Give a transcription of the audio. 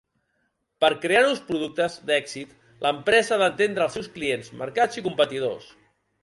Per crear nous productes d'èxit l'empresa ha d'entendre els seus clients, mercats i competidors.